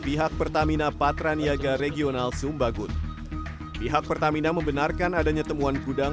pihak pertamina patraniaga regional sumbagun pihak pertamina membenarkan adanya temuan gudang